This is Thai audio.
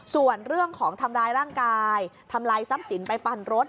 ส่วนเรื่องของทำร้ายร่างกายทำลายทรัพย์สินไปปั่นรถ